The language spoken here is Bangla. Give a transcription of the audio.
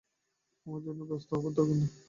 আমার জন্যে ব্যস্ত হবার দরকার নেই।